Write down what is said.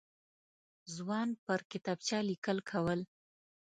ځوان پر کتابچه لیکل کول.